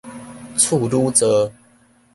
處女座